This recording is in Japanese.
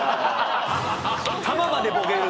球までボケる。